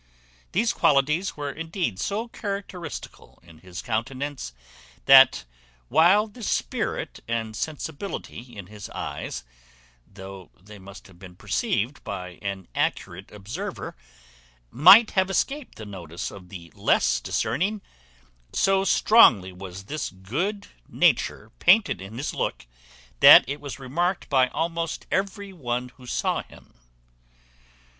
These qualities were indeed so characteristical in his countenance, that, while the spirit and sensibility in his eyes, though they must have been perceived by an accurate observer, might have escaped the notice of the less discerning, so strongly was this good nature painted in his look, that it was remarked by almost every one who saw him.